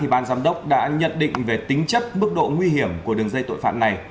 ban giám đốc đã nhận định về tính chất mức độ nguy hiểm của đường dây tội phạm này